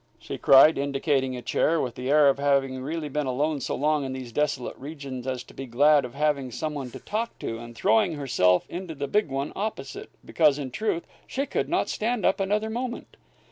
she cried, indicating a chair, with the air of really having been alone so long in these desolate regions as to be glad of having some one to talk to, and throwing herself into the big one opposite, because in truth she could not stand up another moment.